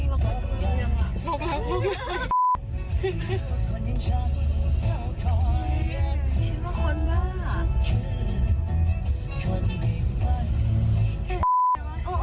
บอกว่าเขาปมแบบ